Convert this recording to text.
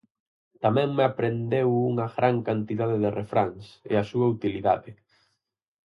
Tamén me aprendeu unha gran cantidade de refráns, e a súa utilidade.